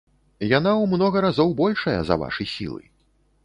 Яна ў многа разоў большая за вашы сілы.